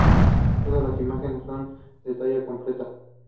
Todas las imágenes son de talla completa.